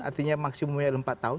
artinya maksimumnya empat tahun